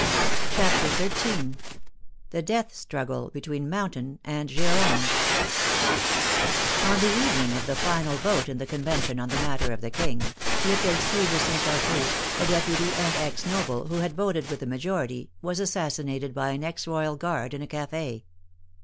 CHAPTER XIII THE DEATH STRUGGLE BETWEEN MOUNTAIN AND GIRONDE On the evening of the final vote in the Convention on the matter of the King, Lepelletier de St. Fargeaux, a deputy and ex noble, who had voted with the majority, was assassinated by an ex royal guard in a cafe.